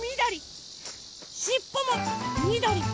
しっぽもみどり！